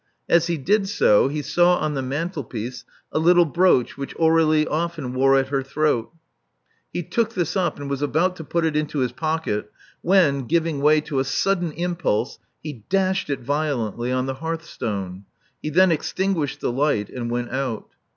As he did so, he saw on the mantelpiece a little brooch which Aur^lie often wore at her throat. He took this up, and was about to put it into his pocket, when, giving way to a sudden impulse, he dashed it violently on the hearthstone. He then extinguished the light, and went out.